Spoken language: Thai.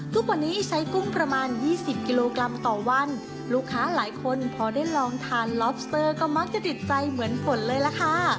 ทุกวันนี้ใช้กุ้งประมาณยี่สิบกิโลกรัมต่อวันลูกค้าหลายคนพอได้ลองทานล็อบสเตอร์ก็มักจะติดใจเหมือนฝนเลยล่ะค่ะ